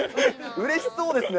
うれしそうですね。